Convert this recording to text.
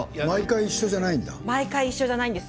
毎回、一緒じゃないんです。